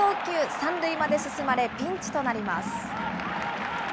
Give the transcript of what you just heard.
３塁まで進まれ、ピンチとなります。